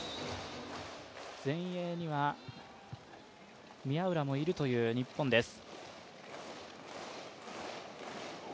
前衛には宮浦もいるという日本です。